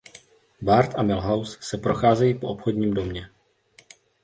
Bart a Milhouse se procházejí po obchodním domě.